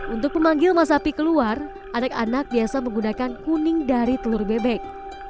untuk memanggil masapi keluar anak anak biasa menggunakan kuning dari telur bebek